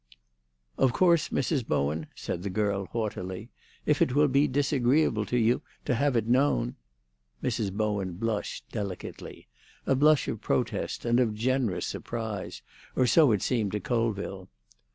"Of course, Mrs. Bowen," said the girl haughtily, "if it will be disagreeable to you to have it known——" Mrs. Bowen blushed delicately—a blush of protest and of generous surprise, or so it seemed to Colville.